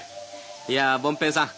いや凡平さん